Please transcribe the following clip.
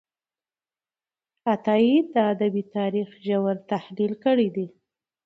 عطايي د ادبي تاریخ ژور تحلیل کړی دی.